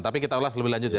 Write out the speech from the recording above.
tapi kita ulas lebih lanjut ya